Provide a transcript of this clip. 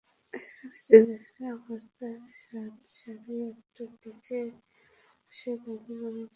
সেখানে চিকিৎসাধীন অবস্থায় রাত সাড়ে আটটার দিকে আরশেদ আলী মারা যান।